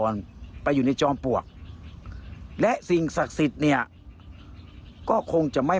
ไปอยู่ในจอมปลวกและสิ่งศักดิ์สิทธิ์เนี่ยก็คงจะไม่